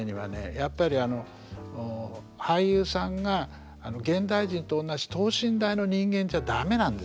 やっぱり俳優さんが現代人とおんなじ等身大の人間じゃだめなんですよね。